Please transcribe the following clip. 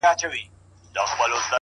چي د خندا خبري پټي ساتي،